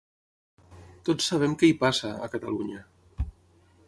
Tots sabem què hi passa, a Catalunya.